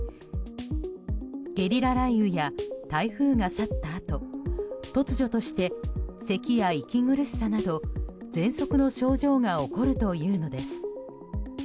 ゲリラ雷雨や台風が去ったあと突如としてせきや息苦しさなどぜんそくの症状が起こるというのです。